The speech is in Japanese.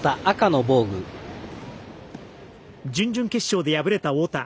準々決勝で敗れた太田。